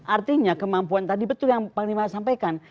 artinya kemampuan tadi betul yang panglima sampaikan